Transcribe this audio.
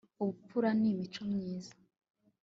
ubupfura ni imico myiza